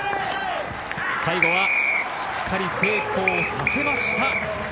最後はしっかり成功させました。